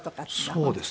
そうです。